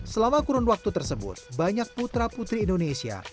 selama kurun waktu tersebut banyak putra putri indonesia